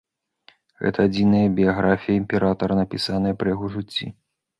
Гэта адзіная біяграфія імператара, напісаная пры яго жыцці.